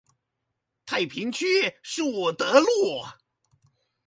太平區樹德路